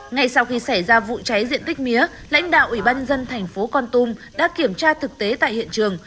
ngay sau khi xảy ra vụ cháy diện tích mía lãnh đạo ủy ban nhân dân tp con tôm đã kiểm tra thực tế tại hiện trường